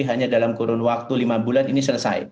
hanya dalam kurun waktu lima bulan ini selesai